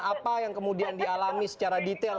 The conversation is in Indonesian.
apa yang kemudian dialami secara detail